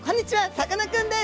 さかなクンです！